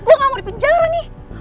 gue gak mau di penjara nih